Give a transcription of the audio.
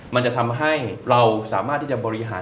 มันจะทำให้เราสามารถที่จะบริหาร